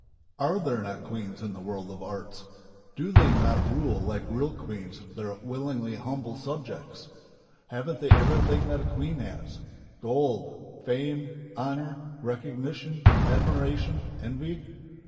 Are there not queens in the world of arts? Do they not rule like real queens their willingly humble subjects? Haven't they everything that a queen has: Gold, fame, honour, recognition, admiration, envy?